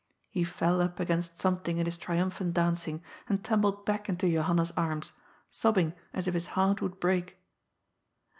*' He fell up against something in his triumphant danc ing, and tumbled back into Johanna's arms, sobbing as if his heart would break.